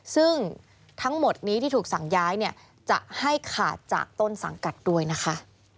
ซึ่งทั้งหมดนี้ที่ถูกสั่งย้ายเนี่ยจะให้ขาดจากต้นสังกัดด้วยนะคะ